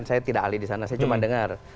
saya tidak ahli di sana saya cuma dengar